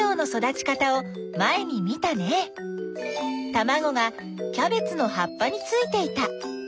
たまごがキャベツのはっぱについていた。